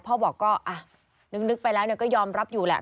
พ่อบอกก็นึกไปแล้วก็ยอมรับอยู่แหละ